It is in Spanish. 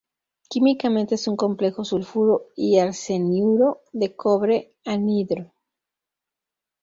Químicamente es un complejo sulfuro y arseniuro de cobre, anhidro.